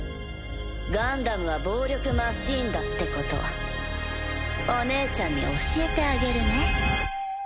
ガンダムは暴力マシンだってことお姉ちゃんに教えてあげるね。